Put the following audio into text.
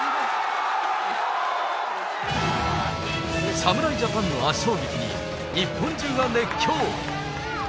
侍ジャパンの圧勝劇に、日本中が熱狂。